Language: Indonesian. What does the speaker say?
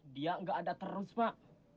dia nggak ada terus pak